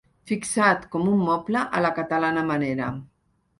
Fixat com un moble a la catalana manera.